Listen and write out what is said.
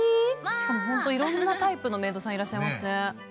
「しかもホント色んなタイプのメイドさんいらっしゃいますね」